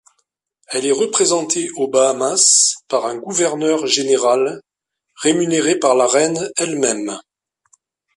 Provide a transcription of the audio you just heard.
Elle est représentée aux Bahamas par un gouverneur général, rémunéré par la reine elle-même.